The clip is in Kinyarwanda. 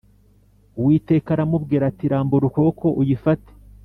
Uwiteka aramubwira ati rambura ukuboko uyifate